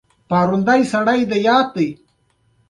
ډېر کم وخت وروسته کمونیزم ظهور وکړ.